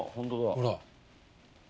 ほら。